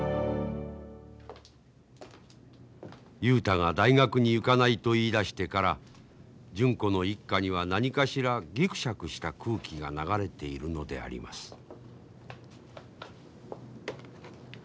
雄太が大学に行かないと言いだしてから純子の一家には何かしらぎくしゃくした空気が流れているのであります。